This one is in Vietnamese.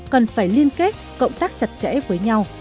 cần phải liên kết cộng tác chặt chẽ với nhau